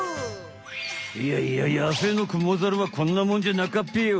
いやいや野生のクモザルはこんなもんじゃなかっぺよ。